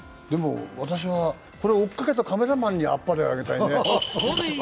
私はこれ追いかけたカメラマンにあっぱれあげたいね。